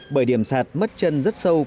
bởi điểm sạt mất chân rất sâu